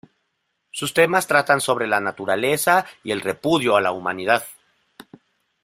Sus temas tratan sobre la naturaleza y el repudio a la humanidad.